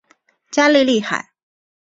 加利利海。